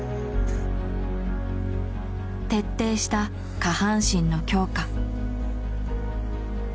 徹底した下半身の強化。